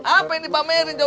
apa yang dipamerin coba